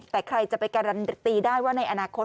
แต่ใครจะไปการันตีได้ว่าในอนาคต